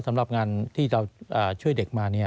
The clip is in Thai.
สำหรับงานที่เราช่วยเด็กมา